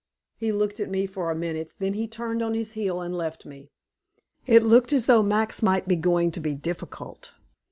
He looked at me for a minute, then he turned on his heel and left me. It looked as though Max might be going to be difficult.